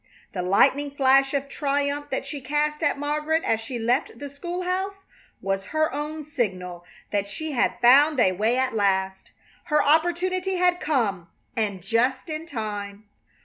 The lightning flash of triumph that she cast at Margaret as she left the school house was her own signal that she had found a way at last. Her opportunity had come, and just in time.